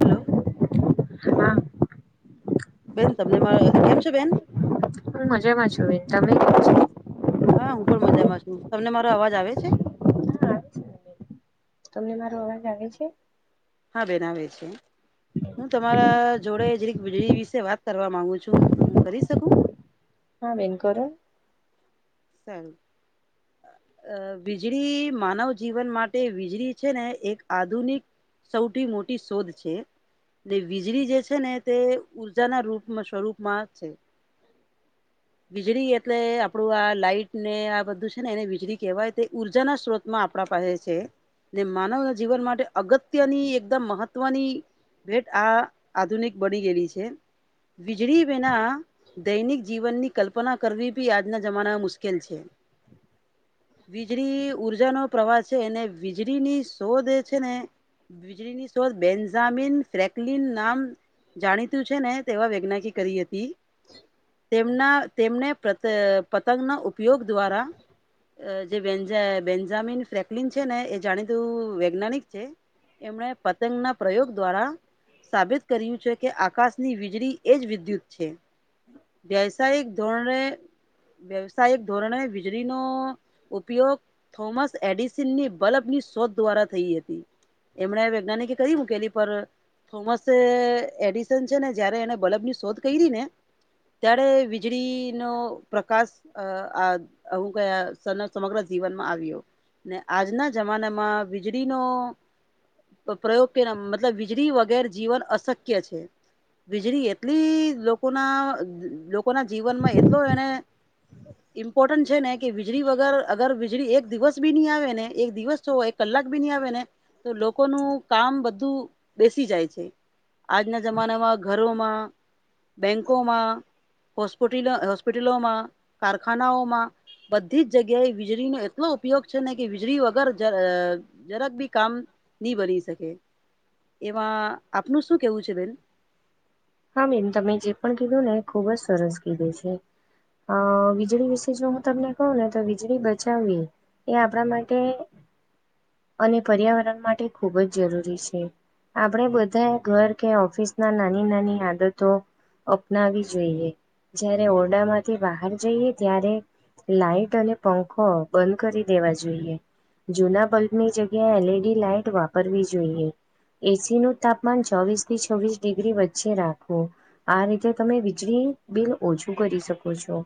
Hello હા બેન તમને મારા કેમ છે બેન હું મજામાં છુંને તમે હા હું પણ મજામાં છું તમને મારો અવાજ આવે છે તમને મારું હવે જાગ છે હા બનાવે છે હું તમારા જોડે જે વીજળી વિશે વાત કરવા મામાંગુ છું તો હું કરી શકું હા વનકર સન અ વીજળી માનવ જીવન માટે વીજળી છે ને એક આધુનિક સૌથી મોટી શોધ છે વીજળી જે છે ને તે ઉઊર્જાના રૂપ સ્વરૂપમાં છે વીજળી એટલે આપડું આ લાઈટ ને આ બધું છે ને એને વીજળી કેહેવાય તે ઉર્જા ના સ્ત્રોતમાં કપડા પહેરે છે ને માનવના જીવન માટે અગત્યની એકદમ મહત્વની ભેટ આ આધુનિક બની ગયેલી છે વીજળી વિના દૈનિક જીવનની કલ્પના કરવી બી આજના જમાનામાં મુશ્કેલ છે વીજળી ઉર્જાનોો પ્રવાહ છે અને વીજળીની શોધ છે ને વીજળીની શોધ બેન્જામિન ફ્રેકલીન નામ જાણીતું છે ને તેવા વૈજ્ઞિક કરી હતી તેમના તેમને પત પતંગ ના ઉપયોગ દ્વારા જે બેન્જામિન ફ્રેકલિન છે ને એ જાણીતું વૈજ્ઞાનિક છે એમણે પતંગ ના પ્રયોગ દ્વારા સાબિત કર્યું છે કે આકાશની વીજળી એ જ વિદ્યુત છે વ્યસાયિક ધોરણે વ્યવસાયિક ધોરણે વીજળી નનો ઉપયોગ થોમસ એડિસનની બલ્બની શોધ દ્વારા થઈ હતી એમણે વૈજ્ઞાનિકે કદી મૂકેલી પર થોમસ એડિસન છે ને જયારે એને બલ્ભ ની શોધ કરી ને ત્યારે વીજળીનો પ્રકાશ અ, આ, હું. ક સમગ્ર જીવનમાં આવ્યો. ને આજના જમાનામાં વીજળીનો પ્રયોગ કે ના મતલબ વીજળી વગેર જીવન અશક્ય છે વીજળી એટલી લોકોના લોકોના જીવનમાં એટલો એને ઇમ્પોર્ટન્ટ છે ને કે વીજળી વગર અગર વીજળી એક દિવસ બી નહી આવે ને એક દિવસ તો કલાક બી ન આવે ને તો લોકોનું કામ બધું બેસી જાય છે આજના જમાનામાં ઘરોમાં બેંકોમાં હોસ્પિટલો, હોસ્પિટલોમાં, કારખાનાઓમાં. બધી જ જગ્યાએ વીજળીનો એટલો ઉપયોગ છે ને કે વીજળી વગર જરાક બી કામ નહીં બની શકે. એમાં આપનું શું કેવું છે, બેન? હા મેમ, તમે જે પણ કીધું ને, એ ખુબ જ સરસ કીધું છે. અ વીજળી વિશે જો હું તમને કહું ને, તો વીજળી બચાવવી એ આપણા માટે અને પર્યાવરણ માટે ખૂબ જ જરૂરી છે. આપણેે બધા ઘર કે, ઓફિસ ના નાની- નાની આદતો અપનાવી જોઈએ‌. જ્યારે ઓરડા માંથી બહાર જઈએ ત્યારે લાાઈટ અને પંખો બંધ કરી દેવા જોઈએ. જૂના બલ્બ ની જગ્યા એ એલીડી લાાઈટ વાપરવી જોઈએ. એસીનું તાપમાન ચોવીસ થી છવ્વીસ ડિગ્રી વચ્ચે રાખો. આ રીતે તમે વીજળી બિલ ઓછું કરી શકો છો.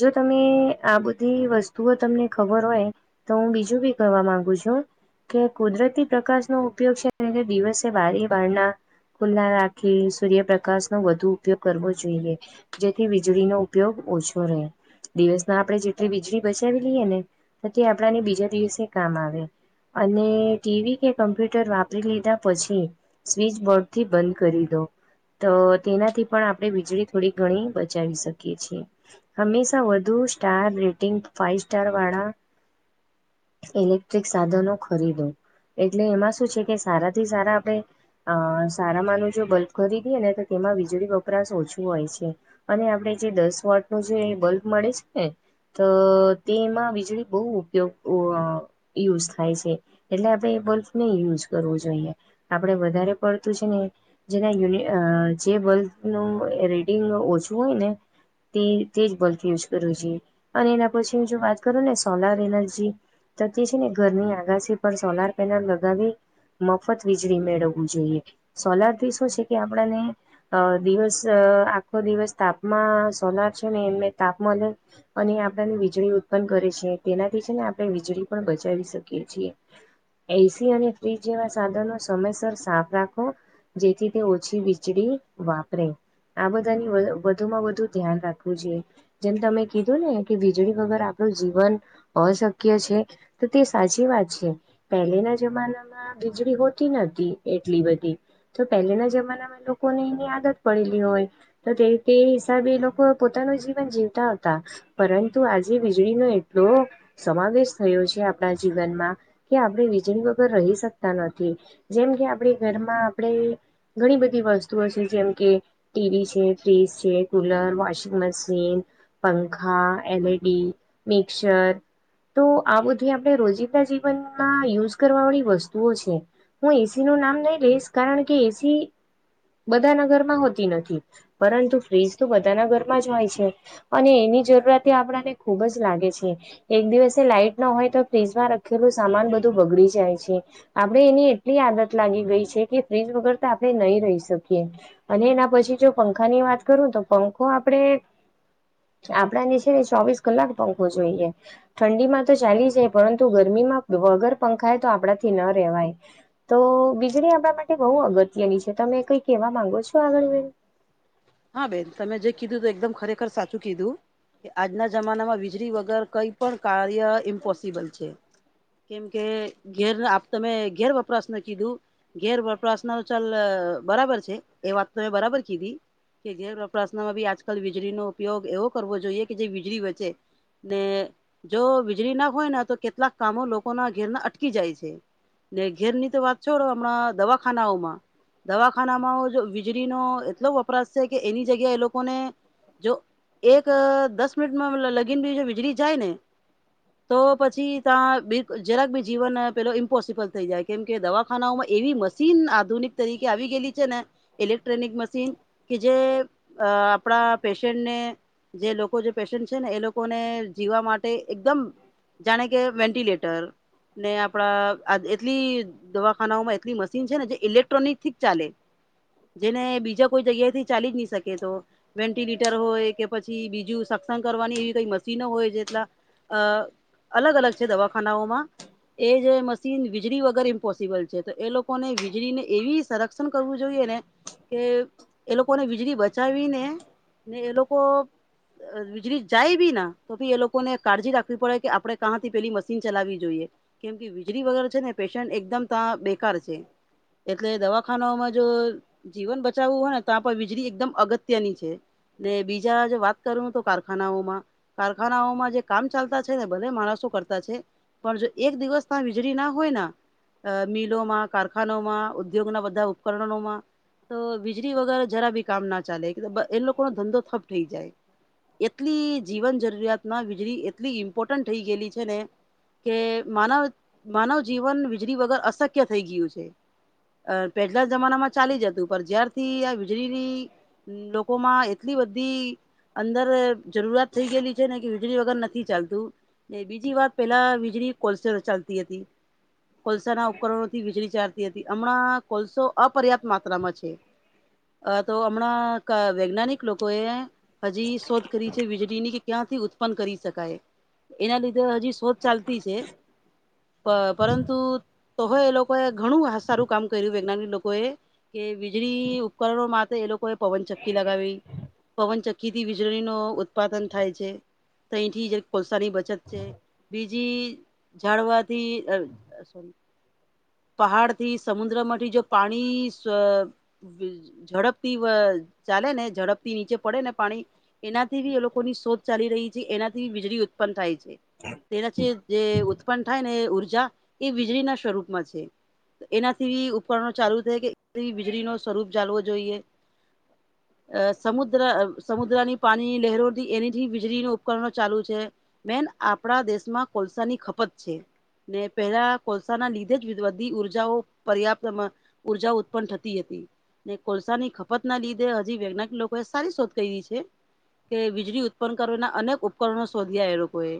જો તમે આ બધી વસ્તુઓ તમને ખબર હોય. તો હું બીજું બી કહેવા માંગુ છું. કે કુદરતી પ્રકાશનો ઉપયોગ છે, દિવસે બારી-બારણાવાળા ખુલ્લા રાખીશ. સૂર્યપ્રકાશનો વધુ ઉપયોગ કરવો જોઈએ, જેથી વીજળીનો ઉપયોગ ઓછો રહે. દિવસમાં આપણે જેટલી વીજળી બચાવી લઈએ ને, તો તે આપણાને બીજા દિવસે કામ આવે. અને ટીવી કે કમ્પ્યુટર વાપરી લીધા પછી સ્વિચ બોર્ડ થી બંધ કરી દો. તો તેનાથી પણ આપણે વીજળી થોડી ઘણી બચાવી શકીએ છીએ. હંમેશા વધુ સ્ટાર રેટિંગ, ફાઈવ સ્ટાર વાળા ઇલેક્ટ્રિક સાધનો ખરીદો. એટલે એમાં શું છે કે, સારાથી સારા આપણે અ સારા માનું જો. ખરીદી અને તો તેમાં વીજળી વપરાશ ઓછો હોય છે. અને આપણે જે દસ વોલ્ટ નું જે બલ્બ મળે છે ને. તો તેમાં વીજળી બહુ ઉપયોગ. યુઝ થાય છે, એટલે આપડે એ બલ્ફ નહીં યુઝ કરવું જોઈએ. આપડે વધારે પડતું છે ને. જેના યુન જે બલ્બ નું રીડિંગ ઓછું હોય ને. તે તે જ બલ્ફ યુઝ કરવો જોઈએ. અને એના પછી, હ, જો વાત કરું ને સોલાર એનર્જી તો જે છે ને, ઘરની આગાસી છે, પણ સોલાર પેનલ લગાવી. મફત વીજળી મેળવવું જોઈએ. સોલાર શું છે કે, આપણને અ દિવસ આખો દિવસ તાપમાં, સોલાર છે ને, એમને તાપમા લ અને આપણેને વીજળી ઉત્પન્ન કરે છે, તેનાથી છે ને, આપણે વીજળી પણ બચાવી શકીએ છીએ. એસી અને ફ્રીજ જેવા સાધનો સમયસર સાફ રાખો, જેથી ઓછી વીજળી વાપરે, આ બધાની વધુમાં વધુ ધ્યાન રાખવું જોઈએ. જેમ તમે કીધું ને કે, વીજળી વગર આપણું જીવન અશક્ય છે. તો તે સાચી વાત છે. પહેલેના જમાનામાં વીજળી હોતી નથી, એટલી બધી પહેલેના જમાનામાં લોકોને એની આદત પડેલી હોય. તો તે હિસાબે એ લોકો પોતાનું જીવન જીવતા હતા. પરંતુ આજે વીજળીનો એટલો સમાવેશ થયો છે આપણા જીવનમાં કે આપણે વીજળી વગર રહી શકતા નથી જેમ કે આપણે ઘરમાં આપણે ઘણી બધી વસ્તુઓ છે જેમ કે ટીવી છે, ફ્રીજ છે, કુલર, વોશિંગ મશીન પંખા, એલઈડી, મિક્સર તો આ બધી આપણે રોજીિંદા જીવનમાં યુઝ કરવા વાળી વસ્તુઓ છે. હું એસી નું નામ નઈ લઈશ, કારણ કે એસી બધા ના ધરે હોતી નથી. પરંતુ ફ્રીજ તો બધાના ઘરમાં જ હોય છે. અને એની જરૂરત આપણાને ખુબ જ લાગે છે એક દિવસે લાઈટ ન હોય તો ફ્રીજમાં રખેલું સામાન બધું બગડી જાય છે આપડણે એની એટલી આદત લાગી ગઈ છે કે ફ્રીજ વગર તો આપણે નહી રહી શકીએ અને એના પછી જો પંખા ની વાત કરું તો પંખો આપડણે આપડા જે છે ને ચોવીસ કલાક પંખવો જોઈએ ઠંડીમાં તો ચાલી જ પરંતુ ગરમીમાં વગર પંખાાય તો આપણાથી ન રહેેવાય તો વીજળી આપણા માટે બહુ અગત્યની છે તમે કઈ કેવા માંગો છો આગળ હા બેન તમે જે કીધું તો એકદમ ખરેખર સાચું કીધું કે આજના જમાનામાં વીજળી વગર કઈ પણ કાર્ય ઇમ્પોસિબલ છે કેમ કે ઘેર તમે ઘેર વપરાશ ના કીધું ઘેર પ્રશના તો ચાલ બરાબર છે એ વાત તો મે બરાબર કીધી કે જે પ્રશ્નમાં ભી આજકાલ વીજળીનોો ઉપયોગ એવો કરવો જોઈએ કે જે વીજળી વચે ને જો વીજળી ના હોયને તો કેટલાક કામો લોકોના ઘેરના અટકી જાય છે ને ઘેર ની તો વાત છોો હમણાં દવાખાનાઓમાં દવાખાનામાં વીજળીનોો એટલો વપરાશ છે કે એની જગ્યા એ લોકોને જો એક દસ મિનિટમાં લગીનની વીજળી જાય ને તો પછી ત્યાં બ જરાક બી જીવન પેલો ઇમ્પોસિબલ થઈ જાય કેમ કે દવાખાનાઓમાં એવી મશીન આધુનિક તરીકે આવી ગયેલી છે ને ઇલેક્ટ્રોનિક મશીન કે જે અ આપણા પેશન્ટને જે લોકો જે પેશન્ટ છે ને એ લોકોને જીવવા માટે એકદમ જાણે કે વેન્ટિલેટર ને આપડા એટલી દવાખાનાઓમાં એટલી મશીન છે ને જે ઇલેક્ટ્રોનિક થી ચાલે જેને બીજા કોઈ જગ્યા થી ચાલી જ નહી શકે તો વેન્ટિલેટર હોય કે પછી બીજું સક્ષંગ કરવાની એવી કઈ મશીનો હોય જેટલા અ અલગ અલગ છે દવાખાનાઓમાં એ જે મશીન વીજળી વગર ઇમ્પોસિબલ છે તો એ લોકો ને વીજળી ને એવી સરક કરવું જોઈએ ને કે એ લોકો ને વીજળી બચાવીને ને એ લોકો વીજળી જાય બી ના તો ભી એ લોકોને કાળજી રાખવી પડે કે આપડણે કાંથી પેલી મશીન ચલાવવી જોઈએ કેમ કે વીજળી વગેરે છે ને પેશન્ટ એકદમ ત્યાં બેકાર છે એટલે દવાખાનાઓમાં જો જીવન બચાવવું હોય ને ત્યાં પણ વીજળી એકદમ અગત્યની છે ને બીજા જો વાત કરું તો કારખાનાઓમાં કારખાનાઓમાં જે કામ ચાલતા છે ને બધા માણસો કરતા છે પણ જો એક દિવસ ત વીજળી ના હોય મિલોમાં કારખ માં ઉદ્યોગ ના બધા ઉપકરણોમાં તો વીજ વગ જરા બી કામ ના ચાલે એ લોકો ન ધંધો થપ થઈ જાય એટલી જીવન જરૂરિયાત વીજળી એટલી ઈમ્પોર્ટન્ટ થઈ ગયેલી છે ને કે માનવ માનવ જીવન વીજળી વગર અશક્ય થઈ ગયું છે અ પહેલા જમાના માં ચાલી જતું પણ જ્યારથી આ વીજળીની લોકોમાં એટલી બધી અંદર જરૂરત થઈ ગયેલી છે ને કે વીજળી વગર નથી ચાલતું બીજી વાત પેલા વીજળી કોલસે ચાલતી હતી કોલસાના ઉપકરણોથી વીજળી ચાલતી હતી હમણાં કોલસો અપર્યાપ્ત માત્રામાં છે અ તો હમણાં વૈજ્ઞાનિક લોકો એ હજી શોધ કરી છે વીજળી ની કે ક્યાંથી ઉત્પન્ન કરી શકાય એના લીધે હજી શોધ ચાલતી છે પરંતુ તો હોય એ લોકોએ ઘણું સારું કામ કર્યું વૈજ્ઞાનિક લોકોએ કે વીજળી ઉપકરણો માટે એ લોકોએ પવન ચક્કી લગાવી પવનચકીથી વીજળી ન ઉત્પાદન થાય છે ત અહીંથી જ કોલસાની બચત છે બીજી ઝાડવાથી સોરી પહાડ થી સમુદ્રમાંથી જો પાણી ઝડપથી ચાલે ને ઝડપ થી નીચે પડે ને પાણી એનાથી બી એ લોકોની શોધ ચાલી રહી છે એનાથી વીજળી ઉત્પન્ન થાય છે તેના જે ઉત્પન્ન થાય ને ઉઊર્જા એ વીજળી ના સ્વરૂપમાં છે એનાથી ઉપકરણો ચાલુ થાય કે વીજળી ન સ્વરૂપ ચાલવો જોઈએ [inaudible] અ સમુદ્ર સમુદ્રની પાણી લહેરોથી એનીથી વીજળી ન ઉપકરણો ચાલુ છે બેન આપણા દેશમાં કોલસાની ખપત છે ને પહેલા કોલસા ના લીધે જ બધી ઉર્જાઓ પર્યાપ્ત ઉર્જા ઉત્પન્ન થતી હતી ને કોલસા ની ખપત ના લીધે હજી વૈજ્ઞાનિક લોકોએ સારી શોધ કરીી છે કે વીજળી ઉત્પન્ન કરવાના અનેક ઉપકરણો શોધ્યા એ લોકોએ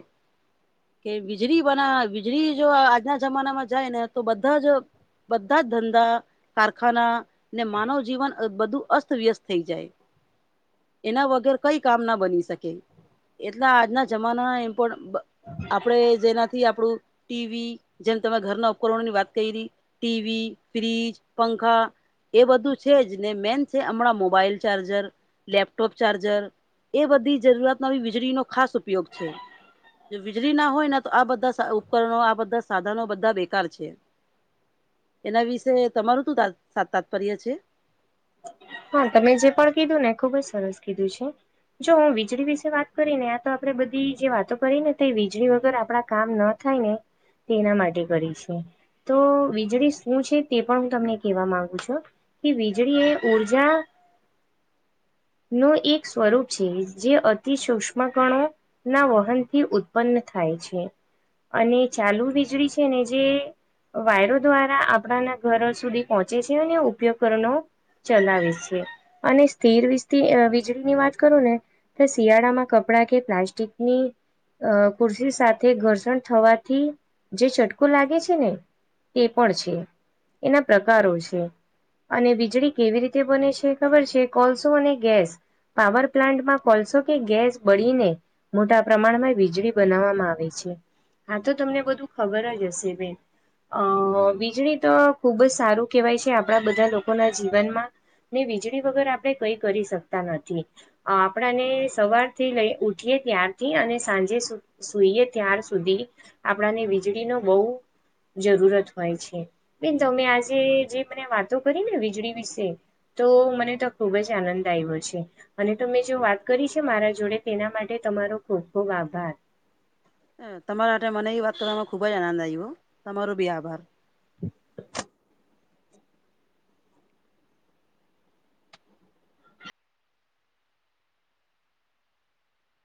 કે વીજળી બના વીજળી જો આજના જમાનામાં જાય ને તો બધા જ બધા જ ધંધા કારખાના ને માનવ જીવન બધું અસ્તવ્યસ્ત થઈ જાય એના વગર કઈ કામ ના બની શકે એટલા આજના જમાના પણ આપણે જેના થી આપણું ટીવી જેમ તમે ઘરના ઉપકરણો ની વાત કરી ટીવી ફ્રીિજ પંખા એ બધું છે જ ને મેન છે હમણાં મોબાઈલ ચાર્જર લેપટોપ ચાર્જર એ બધી જરૂરિયાત ન આવી વીજળીનોો ખાસ ઉપયોગ છે જો વીજળી ના હોય ને તો આ બધા ઉપકરણો આ બધા સાધનો બધા બેકાર છે એના વિશે તમારું તું તાત્પર્ય છે હા તમે જે પણ કીધું ને ખુબ જ સરસ કીધું છે જો હું વીજળી વિશે વાત કરી ને આ તો આપડે બધી જે વાતો કરી ને વીજળી વગર આપણા કામ ન થાય ને તે એના માટે કરી છે તો વીજળી શું છે તે પણ હું તમને કેહેવા માંગુ છું કે જેડીી એ ઉઊર્જા નું એક સ્વરૂપ છે જે અતિ સુૂક્ષ્મ ગણો ના વહનથી ઉત્પન્ન થાય છે અને ચાલુ વીજળી છે ને જે વાયરો દ્વારા આપણાના ઘરો સુધી પહોંચે છે અને ઉપયોગ કરવાનો ચલાવી છી અને સ્થિર વ વીજળી ની વાત કરું ને શિયાળામાં કપડા કે પ્લાસ્ટિકની અ કુરશ સાથે ઘર્ષણ થવાથી જે ચટકોું લાગે છે ને તે પણ છે એના પ્રકારો છે અને ખજડી કેવી રીતે બને છે ખબર છે કોલસો અને ગેસ પાવર પ્લાન્ટમાં કોલસો કે ગેસ બળીને મોટા પ્રમાણમાં વીજળી બનાવવામાં આવે છે હા તો તમને બધું ખબર જ હશે બેન અ વીજળી તો ખુબ જ સારું કહેવાય છે આપણા બધા લોકોના જીવનમાં ને વીજળી વગર આપડણે કઈ કરી શકતા નથી આપણાને સવારથી લઈ ઉઠીયએ ત્યારથી અને સાંજે સુ સુઈએ ત્યાર સુધી આપણાને વીજળીનો બહુ જરૂરત હોય છે બેન તમે આજે જે મને વાતો કરી ને વીજળી વિશે તો મને તો ખુબ જ આનંદ આવ્યો છે અને તમે જો વાત કરી છે મારા જોડે તેના માટે તમારો ખુબ ખુબ આભાર તમારા માટે મને એ વાત કરવાનો ખુબ જ આનંદ આવ્યો તમારો બી આભાર [unintelligible]